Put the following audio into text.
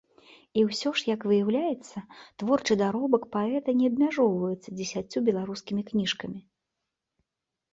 І ўсё ж, як выяўляецца, творчы даробак паэта не абмяжоўваецца дзесяццю беларускімі кніжкамі.